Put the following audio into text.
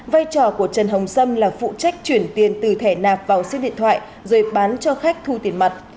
vai trò của trần hồng sâm là phụ trách chuyển tiền từ thẻ nạp vào sim điện thoại rồi bán cho khách thu tiền mặt